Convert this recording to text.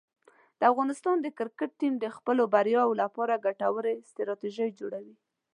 د افغانستان کرکټ ټیم د خپلو بریاوو لپاره ګټورې ستراتیژۍ جوړوي.